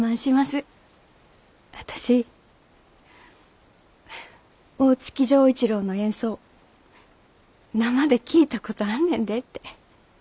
私フッ大月錠一郎の演奏生で聴いたことあんねんでって。